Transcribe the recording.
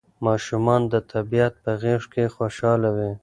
ماشومان د طبیعت په غېږ کې خوشاله وي.